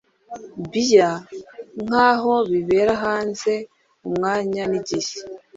bia nkaho bibera hanze umwanya nigihe;